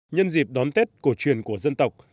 nhân dịp đón tết cổ truyền của dân tộc